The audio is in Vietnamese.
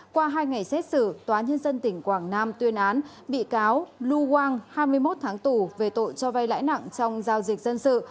qua hai ngày xét xử tòa nhân dân tỉnh quảng nam tuyên án bị cáo lu wang hai mươi một tháng tù về tội cho vay lãi nặng trong giao dịch dân sự